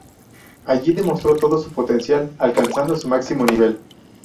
Allí demostró todo su potencial, alcanzando su máximo nivel.